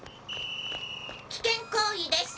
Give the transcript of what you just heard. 危険行為です！